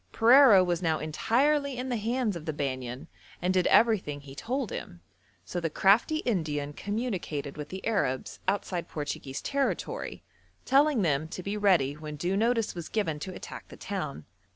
Pereira was now entirely in the hands of the Banyan and did everything he told him; so the crafty Indian communicated with the Arabs outside Portuguese territory, telling them to be ready when due notice was given to attack the town.